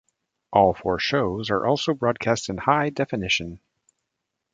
All four shows are also broadcast in high definition.